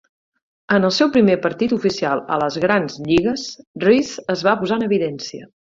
En el seu primer partit oficial a les grans lligues, Reese es va posar en evidència.